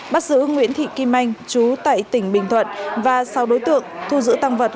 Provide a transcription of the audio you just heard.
bác sứ nguyễn thị kim anh trú tại tỉnh bình thuận và sáu đối tượng thu giữ tăng vật